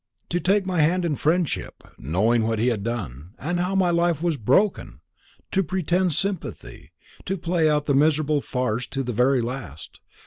"To take my hand in friendship, knowing what he had done, and how my life was broken! to pretend sympathy; to play out the miserable farce to the very last!